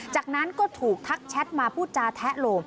จากนั้นก็ถูกทักแชทมาพูดจาแทะโหล